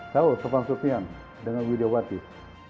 tau sopan sukses dengan widya watis